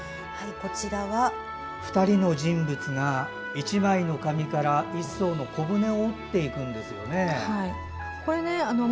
２人の人物が１枚の紙から１そうの小舟を折っていくんですよね。